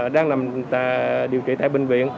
đang làm điều trị tại bệnh viện